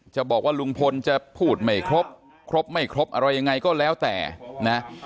จะบอกว่าลุงพลจะพูดไม่ครบครบไม่ครบอะไรยังไงก็แล้วแต่นะ